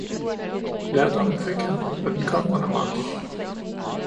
Lærdommen fik han, og den kom under March!